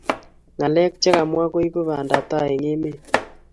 Ngalek chekamwa koibu bandaptai eng emet